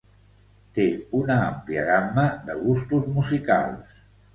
Té una àmplia gamma de gustos musicals.